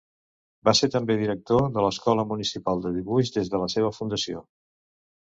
Va ser també director de l'Escola Municipal de Dibuix des de la seva fundació.